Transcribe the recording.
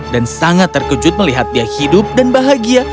dan sangat terkejut melihat dia hidup dan bahagia